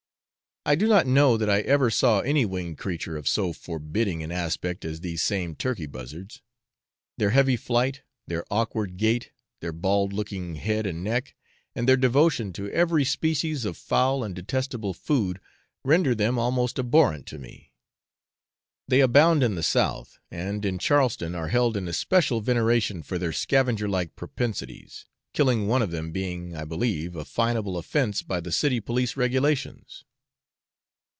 I do not know that I ever saw any winged creature of so forbidding an aspect as these same turkey buzzards; their heavy flight, their awkward gait, their bald looking head and neck, and their devotion to every species of foul and detestable food, render them almost abhorrent to me. They abound in the South, and in Charleston are held in especial veneration for their scavenger like propensities, killing one of them being, I believe, a fineable offence by the city police regulations.